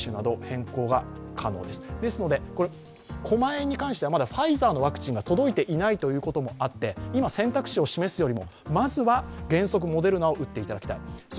狛江に関してはファイザーのワクチンが届いていないこともあって今、選択肢を示すよりも、まずは原則モデルナを打っていただきたい。